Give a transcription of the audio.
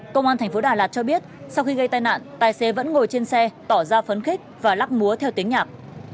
công an tp đà lạt cho biết sau khi gây tai nạn tài xế vẫn ngồi trên xe tỏ ra phấn khích và lắp múa theo tiếng nhạc